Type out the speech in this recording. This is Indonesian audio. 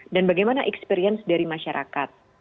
dan bagaimana experience dari masyarakat